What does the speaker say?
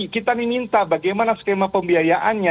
kita ini minta bagaimana skema pembiayaannya